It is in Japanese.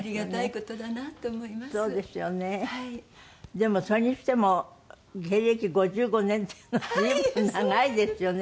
でもそれにしても芸歴５５年っていうのは随分長いですよね。